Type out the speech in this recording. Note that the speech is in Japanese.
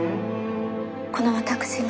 この私が？